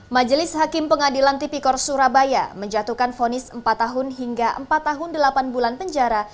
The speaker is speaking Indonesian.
majelis hakim pengadilan tipikor surabaya menjatuhkan fonis empat tahun hingga empat tahun delapan bulan penjara